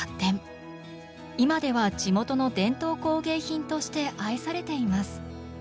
今では地元の伝統工芸品として愛されています。